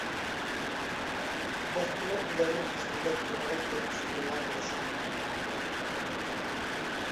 شۇنداقتىمۇ ئۇلارنى تىزگىنلەپ تۇرىدىغان بىر كۈچ بولغان بولۇشى مۇمكىن.